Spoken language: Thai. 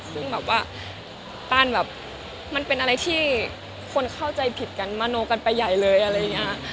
ซึ่งแบบว่าต้านแบบมันเป็นอะไรที่คนเข้าใจผิดกันมโนกันไปใหญ่เลยอะไรอย่างนี้